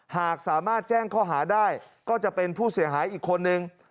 หากสามารถแจ้งข้อหาได้ก็จะเป็นผู้เสียหายอีกคนนึง